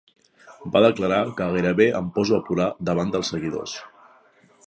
Va declarar que gairebé em poso a plorar davant dels seguidors.